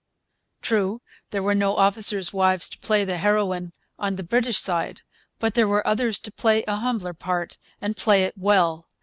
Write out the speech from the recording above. True, there were no officers' wives to play the heroine on the British side. But there were others to play a humbler part, and play it well.